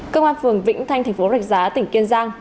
công an phường vĩnh thanh tp rạch giá tỉnh kiên giang